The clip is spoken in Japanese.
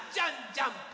ジャンプ！！」